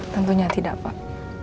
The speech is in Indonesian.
tentunya tidak pak